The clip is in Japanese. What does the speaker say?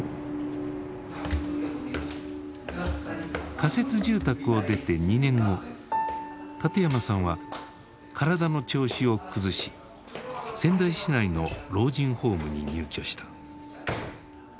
仮設住宅を出て２年後館山さんは体の調子を崩し仙台市内の老人ホームに入居した。